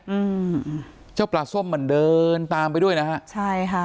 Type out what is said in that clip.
อืมเจ้าปลาส้มมันเดินตามไปด้วยนะฮะใช่ค่ะ